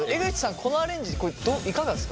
このアレンジいかがですか？